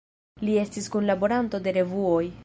Li estis kunlaboranto de revuoj.